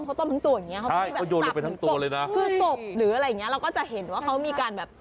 ทั้งตัวอย่างนี้จับเหมือนกบคือตบหรืออะไรอย่างนี้เราก็จะเห็นว่าเขามีการแบบ